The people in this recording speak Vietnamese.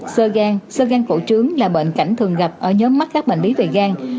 sơ gan sơ gan phủ trướng là bệnh cảnh thường gặp ở nhóm mắc các bệnh lý về gan